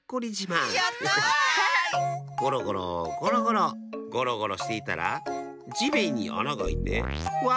ゴロゴロゴロゴロゴロゴロしていたらじめんにあながあいてわ！